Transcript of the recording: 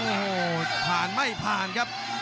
โอ้โหผ่านไม่ผ่านครับ